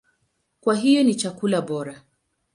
Kwa hiyo ni chakula bora.